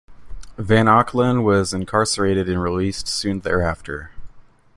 Van Achelen was incarcerated and released soon thereafter.